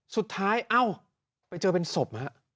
สุดท้ายไปเจอเป็นศพ